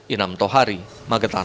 inam tohari magetan